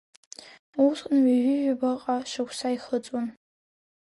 Усҟан ҩажәижәабаҟа шықәса ихыҵуан.